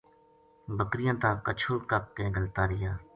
بکریاں تا کَچھل کَپ کے گھَلتا رہیا